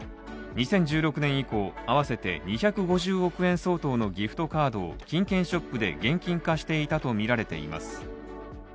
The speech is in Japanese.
２０１６年以降、合わせて２５０億円相当のギフトカードを金券ショップで現金化していたとみられています。